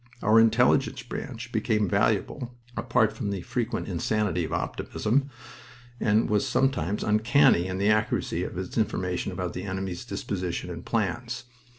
Our Intelligence branch became valuable (apart from a frequent insanity of optimism) and was sometimes uncanny in the accuracy of its information about the enemy's disposition and plans.